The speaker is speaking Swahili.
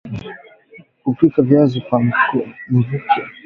Kupika Viazi kwa mvuke